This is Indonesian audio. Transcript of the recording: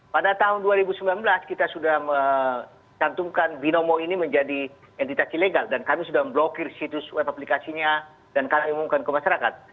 pada tahun dua ribu sembilan belas kita sudah mencantumkan binomo ini menjadi entitas ilegal dan kami sudah memblokir situs web aplikasinya dan kami umumkan ke masyarakat